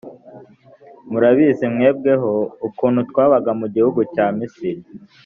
murabizi mwebweho, ukuntu twabaga mu gihugu cya misiri,